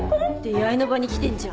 出会いの場に来てんじゃん。